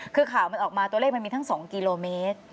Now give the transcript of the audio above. คือข่าวมันออกมาตัวเลขมันมีทั้ง๒กิโลเมตร